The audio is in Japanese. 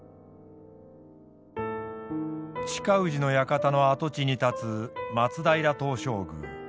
親氏の館の跡地に建つ松平東照宮。